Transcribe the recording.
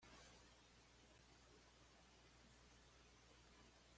Normalmente viven en bosques y en zonas costeras.